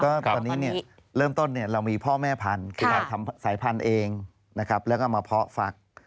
ก็ตอนนี้เริ่มต้นเรามีพ่อแม่พันธุ์คือเราทำสายพันธุ์เองนะครับแล้วก็มาเพาะฟัก